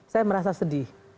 saya merasa sedih